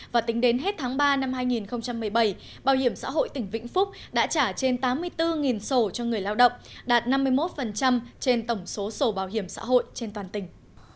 và tính đến hết tháng ba năm hai nghìn một mươi bảy bảo hiểm xã hội tỉnh vĩnh phúc đã trả trên tám mươi bốn sổ cho người lao động đạt năm mươi một trên tổng số sổ bảo hiểm xã hội trên toàn tỉnh